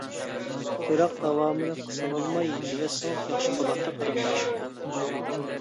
بىراق داۋامىنى قىسىۋالماي يېزىۋەتسىڭىز ياخشى بۇلاتتى قېرىنداش.